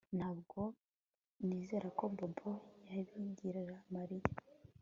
Ntabwo nizera ko Bobo yabigirira Mariya